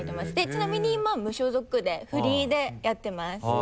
ちなみに今無所属でフリーでやってます。